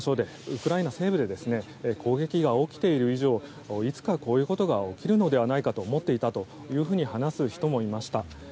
ウクライナ西部で攻撃が起きている以上はいつかこういうことが起きるのではないかと思っていたというふうに話す人もいました。